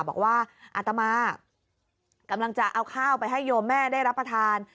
บอกว่าอาตมากำลังจะเอาข้าวไปให้โยมแม่ได้รับประทาน